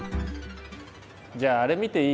じゃああれ見ていい？